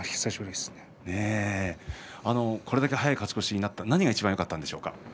これだけ早い勝ち越しになって何がいちばんよかったですか。